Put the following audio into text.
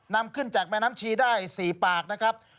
นำขึ้นจากแม่น้ำชีได้๔ปากนะครับ